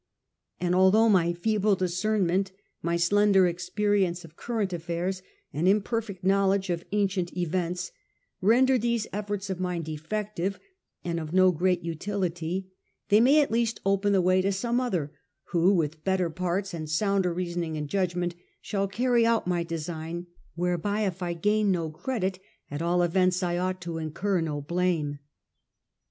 And although my feeble discernment, my slender experience of current affairs, and imperfect knowledge of ancient events, render these efforts of mine defective and of no great utility, they may at least open the way to some other, who, with better parts and sounder reasoning and judgment, shall carry out my design; whereby, if I gain no credit, at all events I ought to incur no blame.